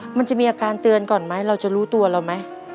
มันจะมีอาการเตือนก่อนไหมเราจะรู้ตัวเราไหม